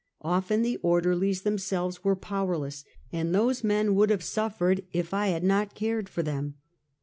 Often the orderlies themselves were powerless, and those men would have sufiered if I had not cared for them.